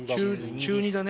中２だね。